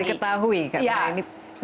ini sudah diketahui